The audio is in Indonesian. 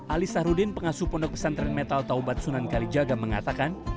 ali sahrudin pengasuh pondok pesantren metal taubat sunan kalijaga mengatakan